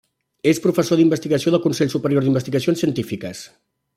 És professor d'investigació del Consell Superior d'Investigacions Científiques.